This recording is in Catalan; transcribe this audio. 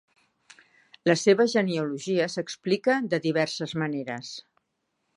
La seva genealogia s'explica de diverses maneres.